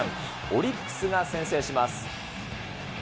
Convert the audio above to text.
オリックスが先制します。